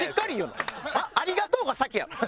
「ありがとう」が先やろ。